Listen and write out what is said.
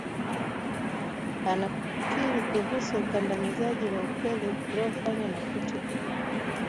anakiri kuhusu ukandamizaji wa ukweli uliofanywa na Putin